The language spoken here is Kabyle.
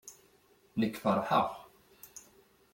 Nekk feṛheɣ.